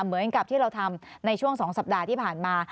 เหมือนกับที่เราทำในช่วง๒สัปดาห์ที่ผ่านมา